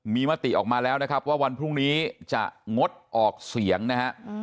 มีมติออกมาแล้วนะครับว่าวันพรุ่งนี้จะงดออกเสียงนะฮะ